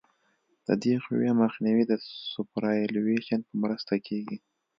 د دې قوې مخنیوی د سوپرایلیویشن په مرسته کیږي